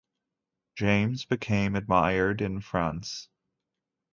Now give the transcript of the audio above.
James became admired in France.